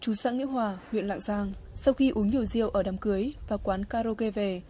chú xã nghĩa hòa huyện lạng giang sau khi uống nhiều rượu ở đám cưới và quán karaoke về